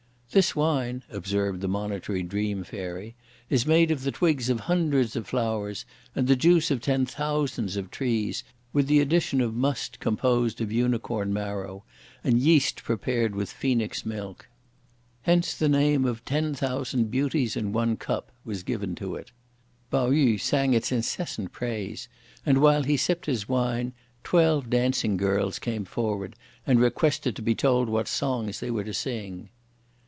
"This wine," observed the Monitory Dream Fairy, "is made of the twigs of hundreds of flowers, and the juice of ten thousands of trees, with the addition of must composed of unicorn marrow, and yeast prepared with phoenix milk. Hence the name of 'Ten thousand Beauties in one Cup' was given to it." Pao yü sang its incessant praise, and, while he sipped his wine, twelve dancing girls came forward, and requested to be told what songs they were to sing.